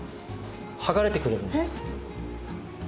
剥がれてくるんです。